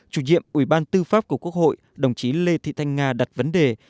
chủ nhiệm ủy ban tư pháp của quốc hội đồng chí lê thị thanh nga đặt vấn đề